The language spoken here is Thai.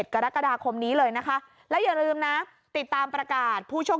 กรกฎาคมนี้เลยนะคะแล้วอย่าลืมนะติดตามประกาศผู้โชค